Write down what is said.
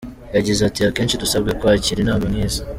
Yagize ati “ Akenshi dusabwa kwakira inama nk’izi.